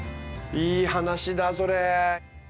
いい話だそれ。